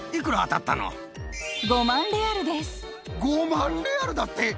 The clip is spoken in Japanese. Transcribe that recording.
５万レアルだって！